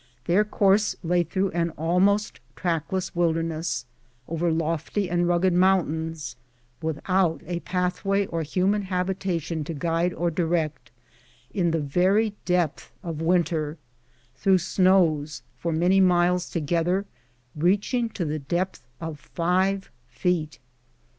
Their course lay through an almost trackless wilderness, over lofty and rugged mountains, without a pathway or human habitation to guide or direct, in the very depth of winter, through snows, for many miles together, reaching to the depth of five feet.